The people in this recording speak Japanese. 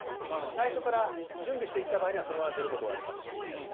最初から準備していった場合はそのまま出ることもありますし。